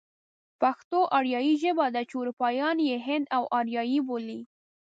پښتو آريايي ژبه ده چې اروپايان يې هند و آريايي بولي.